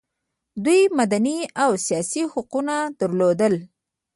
دوی مدني او سیاسي حقوق درلودل.